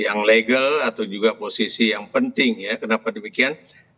yang legal atau juga posisi yang penting ya kenapa demikian